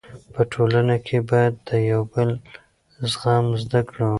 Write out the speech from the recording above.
په ټولنه کې باید د یو بل زغمل زده کړو.